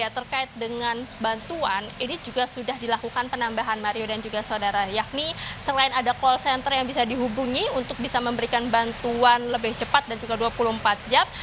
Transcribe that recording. terkait dengan bantuan ini juga sudah dilakukan penambahan mario dan juga saudara yakni selain ada call center yang bisa dihubungi untuk bisa memberikan bantuan lebih cepat dan juga dua puluh empat jam